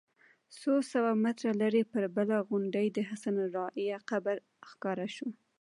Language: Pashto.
څو سوه متره لرې پر بله غونډۍ د حسن الراعي قبر ښکاره شو.